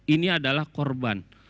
ini adalah korban